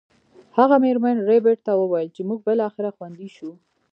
هغه میرمن ربیټ ته وویل چې موږ بالاخره خوندي شو